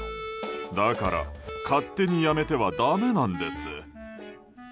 だから勝手にやめてはだめなんです。